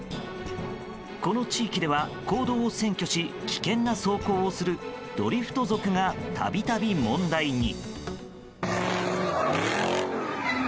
この地域では公道を占拠し危険な走行をするドリフト族が、度々問題に。